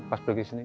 pas pergi ke sini